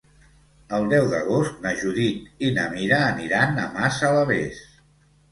El deu d'agost na Judit i na Mira aniran a Massalavés.